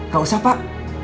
gak usah pak